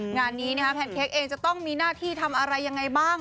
งานนี้แพนเค้กเองจะต้องมีหน้าที่ทำอะไรยังไงบ้าง